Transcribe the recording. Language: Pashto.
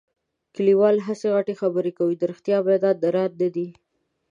کلیوال هسې غټې خبرې کوي. د رښتیا میدان نران نه دي.